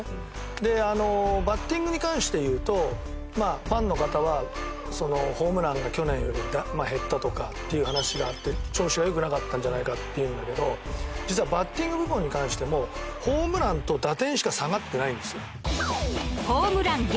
であのバッティングに関して言うとまあファンの方はホームランが去年より減ったとかっていう話があって調子が良くなかったんじゃないかって言うんだけど実はバッティング部門に関してもホームランと打点しか下がってないんですよ。